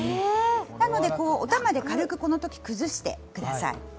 なので、おたまで軽くこの時、崩してください。